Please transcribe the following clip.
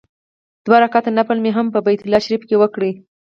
دوه رکعته نفل مې هم په بیت الله شریفه کې وکړ.